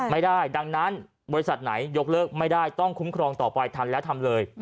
ไม่ได้ดังนั้นบริษัทไหนยกเลิกไม่ได้ต้องคุ้มครองต่อไปทันแล้วทำเลย